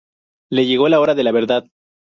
Le llegó la hora de la verdad